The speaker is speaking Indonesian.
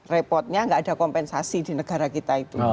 repotnya nggak ada kompensasi di negara kita itu